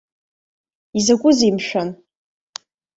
Изакәызеи мшәан?